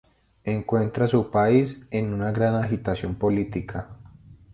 Encuentra a su país en una gran agitación política.